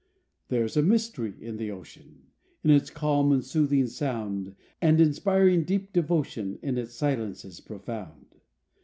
There's a mystery in the ocean, In its calm and soothing sound, And inspiring deep devotion, In its silences profound.